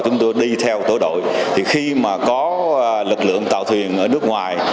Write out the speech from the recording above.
chúng tôi đi theo tổ đội thì khi mà có lực lượng tàu thuyền ở nước ngoài